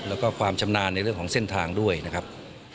แล้วก็ความชำนาญในเรื่องของเส้นทางด้วยนะครับ